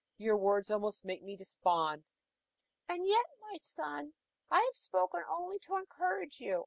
your words almost make me despond." "And yet, my son, I have spoken only to encourage you.